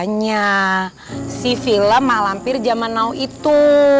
hanya si vila malah hampir zaman awal itu